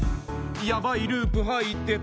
ヤバいループ入ってた。